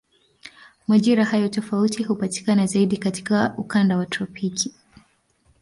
Majira hayo tofauti hupatikana zaidi katika ukanda wa tropiki.